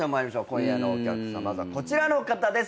今夜のお客さままずはこちらの方です。